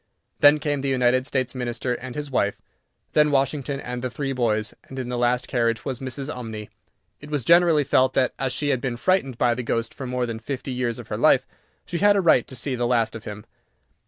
Then came the United States Minister and his wife, then Washington and the three boys, and in the last carriage was Mrs. Umney. It was generally felt that, as she had been frightened by the ghost for more than fifty years of her life, she had a right to see the last of him.